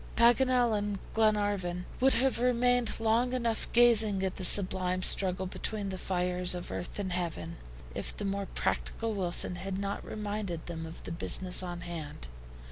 Paganel and Glenarvan would have remained long enough gazing at the sublime struggle between the fires of earth and heaven, if the more practical Wilson had not reminded them of the business on hand.